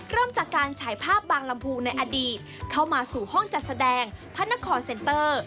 เริ่มจากการฉายภาพบางลำพูในอดีตเข้ามาสู่ห้องจัดแสดงพระนครเซ็นเตอร์